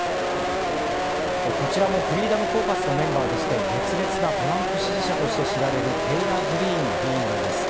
こちらもフリーダム・コーカスのメンバーでして熱烈なトランプ支持者として知られるテイラー・グリーン議員なんです。